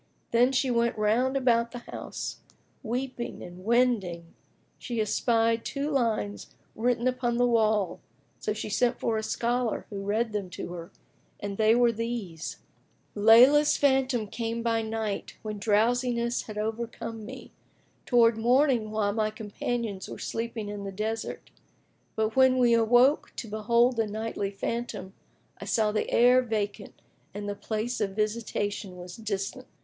Then she went round about the house, weeping, and wending she espied two lines written upon the wall; so she sent for a scholar, who read them to her; and they were these, "Leyla's phantom came by night, when drowsiness had overcome me, towards morning while my companions were sleeping in the desert, But when we awoke to behold the nightly phantom, I saw the air vacant and the place of visitation was distant."